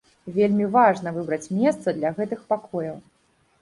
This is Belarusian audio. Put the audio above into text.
Вельмі важна выбраць месца для гэтых пакояў.